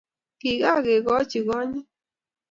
kikakekochi konyit